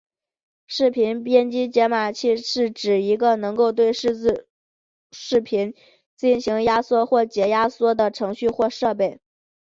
视频编解码器是指一个能够对数字视频进行压缩或者解压缩的程序或者设备。